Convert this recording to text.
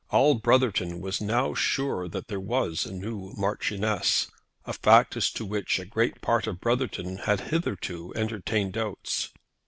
All Brotherton was now sure that there was a new Marchioness, a fact as to which a great part of Brotherton had hitherto entertained doubts.